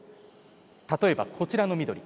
例えばこちらの緑。